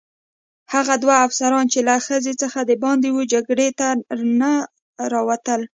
هغه دوه افسران چې له خزې څخه دباندې وه جګړې ته نه راوتل.